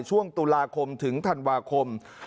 ช่วงตุลาคมถึงธันวาคม